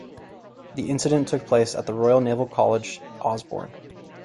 The incident took place at the Royal Naval College, Osborne.